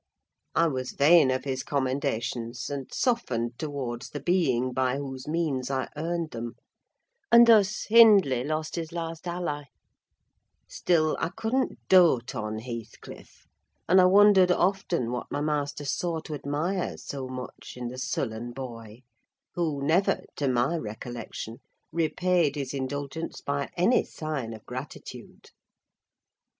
I was vain of his commendations, and softened towards the being by whose means I earned them, and thus Hindley lost his last ally: still I couldn't dote on Heathcliff, and I wondered often what my master saw to admire so much in the sullen boy; who never, to my recollection, repaid his indulgence by any sign of gratitude.